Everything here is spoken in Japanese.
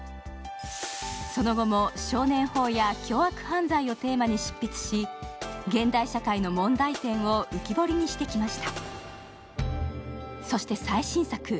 その後も少年法や凶悪犯罪をテーマに執筆し現代社会の問題点を浮き彫りにしてきました。